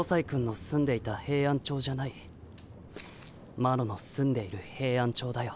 マロの住んでいるヘイアンチョウだよ。